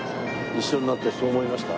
一緒になってそう思いました？